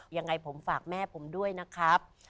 ยังไงผมฝากแม่ผมด้วยนะครับ